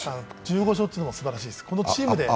１５勝というのもすばらしいです。